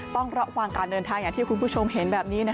ต้องระวังการเดินทางอย่างที่คุณผู้ชมเห็นแบบนี้